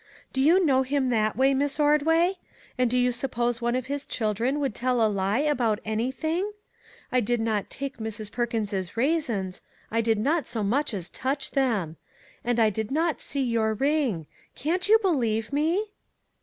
Do you know him that way, Miss Ordway? And do you suppose one of his children would tell a lie about anything? I did not take Mrs. Perkins's raisins ; I did not so much as touch them ; and I did not see your ring. Can't you believe me?"